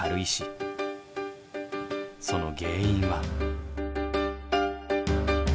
その原因は。